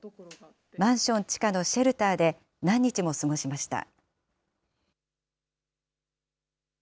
マンション地下のシェルターで、何日も過ごしました。